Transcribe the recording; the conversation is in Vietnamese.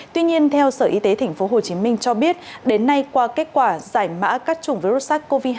tuy nhiên theo sở y tế tp hcm cho biết đến nay qua kết quả giải mã các chủng virus sars cov hai